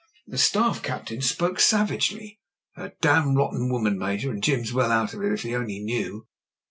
The Staff captain spoke savagely. "A damn rotten woman. Major, and Jim's well out of it, if he only knew.